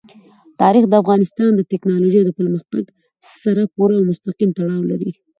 تاریخ د افغانستان د تکنالوژۍ له پرمختګ سره پوره او مستقیم تړاو لري.